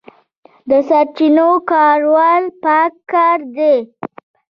د سرچینو کارول پکار دي